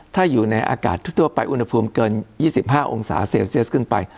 ถ้าอยู่ในอากาศทั่วไปอุณหภูมิเกิน๒๕องศาเซลเซียสขึ้นไป